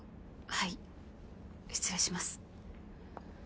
はい失礼します。